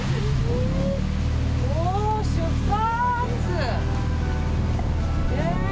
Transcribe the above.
おー、出発！